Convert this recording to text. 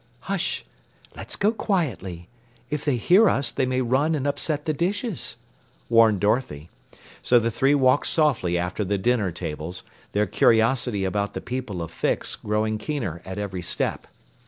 "Hush! Let's go quietly. If they hear us, they may run and upset the dishes," warned Dorothy. So the three walked softly after the dinner tables, their curiosity about the people of Fix growing keener at every step.